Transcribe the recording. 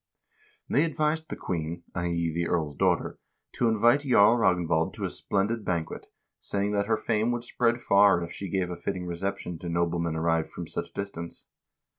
They advised the queen (i.e. the earl's daughter) to invite Jarl Ragnvald to a splendid ban quet, saying that her fame would spread far if she gave a fitting recep tion to noblemen arrived from such distance.